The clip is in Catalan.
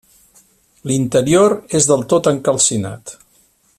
L'interior és del tot encalcinat.